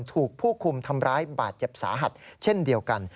ถูกผู้คุมทำร้ายบาดเจ็บสาหัสเช่นเดียวกัน